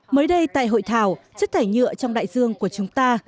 mới đây tại hội thảo chất thải nhựa trong đại dương của chúng ta